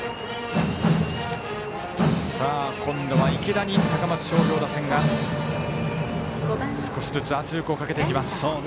今度は池田に高松商業打線が少しずつ、圧力をかけていきます。